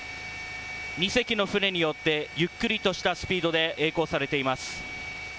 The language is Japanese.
２隻の船によってゆっくりとしたスピードでえい航されています。